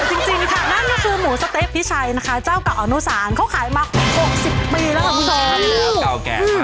อะเป็นอร่อยจริงค่ะนั่นก็คือหมูสต๊ะพิชัยนะคะเจ้ากับออนุสารเขาขายมา๖๐ปีแล้วครับผมแสน